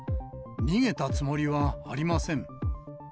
逃げたつもりはありません。